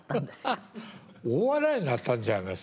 大笑いになったんちゃいます？